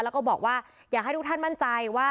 แล้วก็บอกว่าอยากให้ทุกท่านมั่นใจว่า